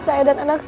saya dan anak